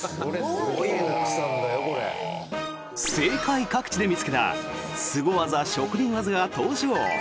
世界各地で見つけたすご技・職人技が登場。